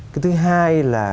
cái thứ hai là